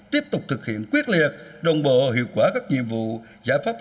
tiếp tục thực hiện quyết liệt đồng bộ hiệu quả các nhiệm vụ giải pháp và đề ra